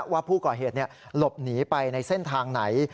ว่าผู้ก่อเหตุหลบหนีไปในเส้นทางไหน